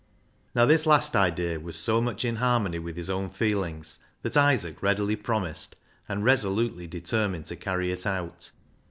Now this last idea was so much in harmony with his own feelings that Isaac readily promised and resolutely determined to carry it out.